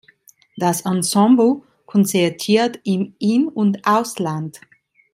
Das Ensemble konzertiert im In- und Ausland.